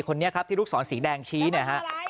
คนนี้ครับที่ลูกศรสีแดงชี้เนี่ยฮะ